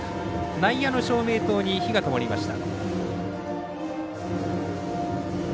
内野の照明塔に灯がともりました。